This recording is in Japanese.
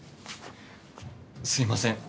すいません。